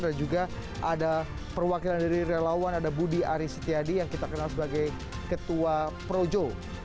dan juga ada perwakilan dari relawan ada budi arisitiadi yang kita kenal sebagai ketua projo